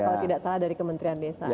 kalau tidak salah dari kementerian desa